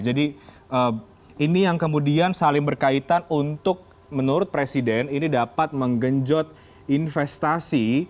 jadi ini yang kemudian saling berkaitan untuk menurut presiden ini dapat menggenjot investasi